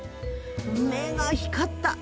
目が光った。